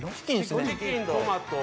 チキントマト。